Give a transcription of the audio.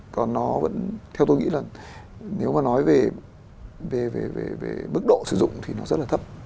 còn nó vẫn theo tôi nghĩ là nếu mà nói về mức độ sử dụng thì nó rất là thấp